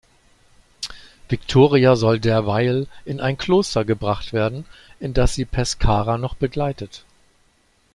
Viktoria soll derweil in ein Kloster gebracht werden, in das sie Pescara noch begleitet.